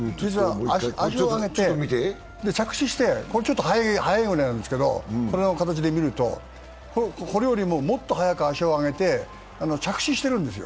足を上げて、着地をして、これ、ちょっと早いですが、この形で見ると、これよりももっと速く足を上げて着地しているんですよ。